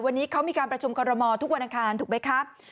วันนี้เขามีการประชุมคอรมอลทุกวันอังคารถูกไหมครับ